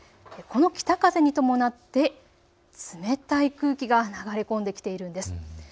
この北風に伴って冷たい空気が流れ込んできているんです。